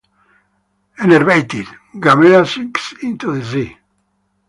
Enervated, Gamera sinks into the sea.